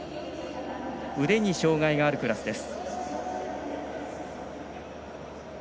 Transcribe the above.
腕に障がいのあるクラスです。